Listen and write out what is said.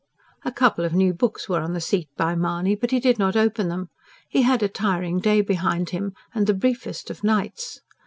A couple of new books were on the seat by Mahony; but he did not open them. He had a tiring day behind him, and the briefest of nights.